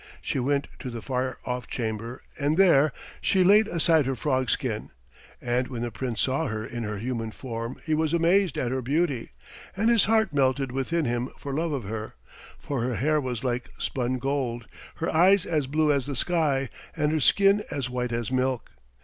She went to the far off chamber, and there she laid aside her frog skin; and when the prince saw her in her human form he was amazed at her beauty, and his heart melted within him for love of her, for her hair was like spun gold, her eyes as blue as the sky, and her skin as white as milk.